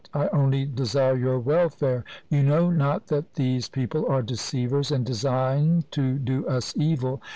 I only desire your welfare. You know not that these people are deceivers and design to do us evil.